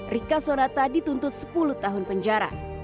rika sonata dituntut sepuluh tahun penjara